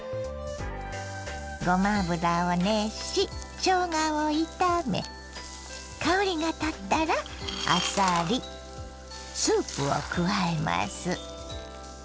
ごま油を熱ししょうがを炒め香りがたったらあさりスープを加えます。